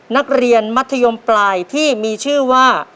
นักเรียนมัธยมปลายที่มีชื่อว่า